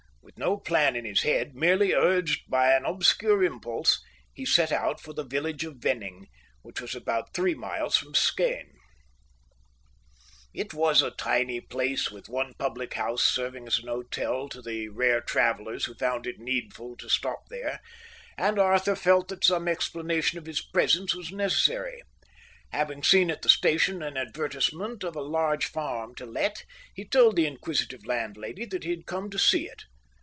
With no plan in his head, merely urged by an obscure impulse, he set out for the village of Venning, which was about three miles from Skene. It was a tiny place, with one public house serving as a hotel to the rare travellers who found it needful to stop there, and Arthur felt that some explanation of his presence was necessary. Having seen at the station an advertisement of a large farm to let, he told the inquisitive landlady that he had come to see it.